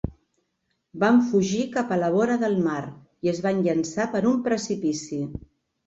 Van fugir cap a la vora del mar i es van llançar per un precipici.